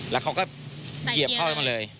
แล้วเขาก็เหยียบเข้าไปมาเลย